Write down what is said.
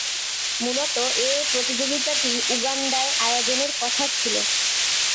মূলতঃ এ প্রতিযোগিতাটি উগান্ডায় আয়োজনের কথা ছিল।